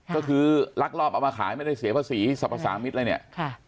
ก็คือลักลอบเอามาขายไม่ได้เสียภาษีสรรพสามิตรอะไรเนี่ย